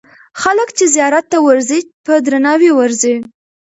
خلک چې زیارت ته ورځي، په درناوي ورځي.